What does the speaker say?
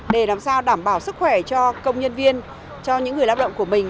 để làm sao đảm bảo sức khỏe cho công nhân viên cho những người lao động của mình